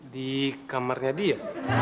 di kamarnya dia